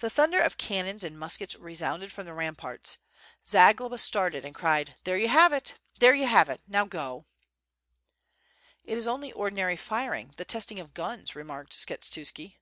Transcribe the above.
The thunder of cannons and muskets resounded from the ramparts, Zagloba started and cried, "there you have it, there you have it, now go." 752 WITH FIRE AND SWORD. "It is only ordinary firing, the testing of the guns/' re marked Skshetuski.